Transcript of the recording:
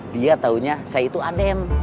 dia taunya saya itu adm